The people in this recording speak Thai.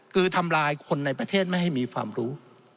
คือทำลายคนในประเทศไม่ให้มีความรู้